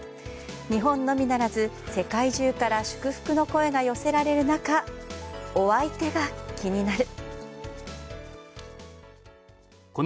日本のみならず世界中から祝福の声が寄せられる中お相手が、気になる。